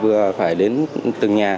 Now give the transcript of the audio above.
vừa phải đến từng nhà vừa phải đến từng nhà